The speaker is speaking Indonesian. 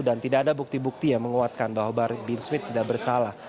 dan tidak ada bukti bukti yang menguatkan bahwa bahar bin smith tidak bersalah